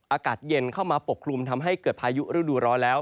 อากาศเย็นเข้ามาปกคลุมทำให้เกิดพายุฤดูร้อนแล้ว